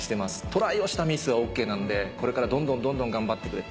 トライをしたミスはＯＫなんでこれからどんどんどんどん頑張ってくれ。